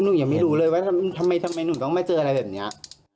หนูยังไม่รู้เลยว่าทำไมหนูต้องมาเจออะไรแบบนี้